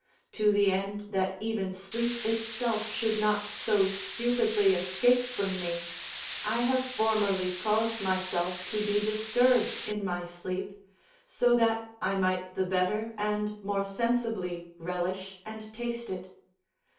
To the end that even sleep itself should not so stupidly escape from me, I have formerly caused myself to be disturbed in my sleep, so that I might the better and more sensibly relish and taste it.